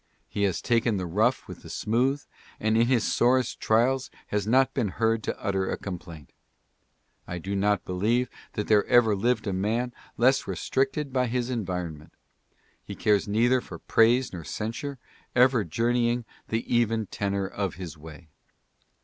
He has taken the rough with the smooth, and in his sorest trials has not been heard to utter a complaint. I do not believe there ever lived a man less restricted by his en vironment. He cares neither for praise nor censure, ever jour neying " the even tenor of his way."